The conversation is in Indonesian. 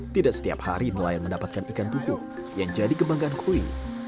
tidak setiap hari nelayan mendapatkan ikan tupu yang jadi kebanggaan kue